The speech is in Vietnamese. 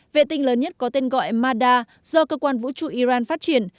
vệ tinh lớn nhất có tên gọi mada do cơ quan vũ trụ iran phát triển